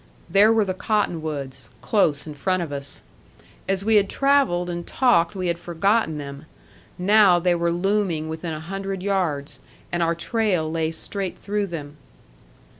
There were the cottonwoods, close in front of us. As we had travelled and talked we had forgotten them. Now they were looming within a hundred yards; and our trail lay straight through them.